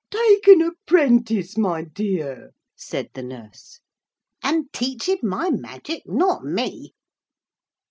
'Take an apprentice, my dear,' said the nurse. 'And teach him my magic? Not me.'